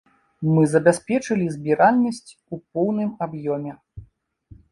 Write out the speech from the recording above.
Мы забяспечылі збіральнасць у поўным аб'ёме.